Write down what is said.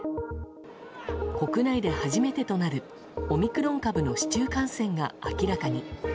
国内で初めてとなるオミクロン株の市中感染が明らかに。